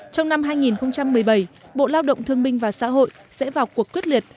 trong năm hai nghìn một mươi bảy bộ lao động thương minh và xã hội sẽ vào cuộc quyết liệt